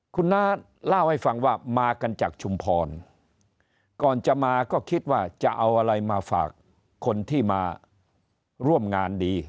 คุณน้าเล่าให้ฟังว่ามากันจากชุมพรก่อนจะมาก็คิดว่าจะเอาอะไรมาฝากคนที่มาร่วมงานดี